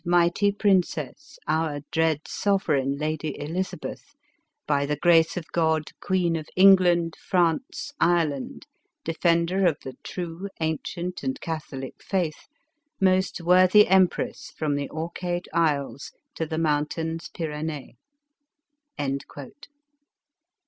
mighty princess, our dread sovereign, Lady Elizabeth, by the grace of God, Queen of England, France, Ire land, Defender of the true, ancient and catholic faith, most worthy empress from the Orcade Isles to the Mountains Pyrdnde."